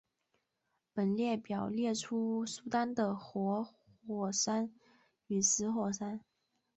本列表列出苏丹的活火山与死火山。